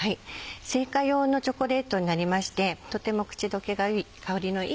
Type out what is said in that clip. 製菓用のチョコレートになりましてとても口溶けがいい